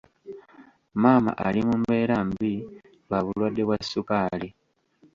Maama ali mu mbeera mbi lwa bulwadde bwa ssukaali.